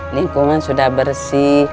lingkungan sudah bersih